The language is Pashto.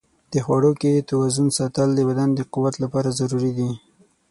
د خواړو کې توازن ساتل د بدن د قوت لپاره ضروري دي.